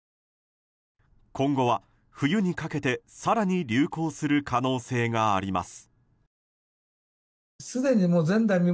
今後は冬にかけて更に流行する可能性があります。